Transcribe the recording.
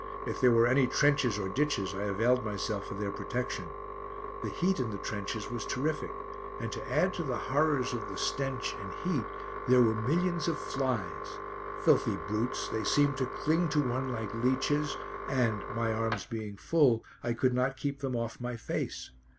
If there were any trenches or ditches I availed myself of their protection. The heat in the trenches was terrific, and to add to the horrors of the stench and heat there were millions of flies. Filthy brutes! They seemed to cling to one like leeches, and, my arms being full, I could not keep them off my face.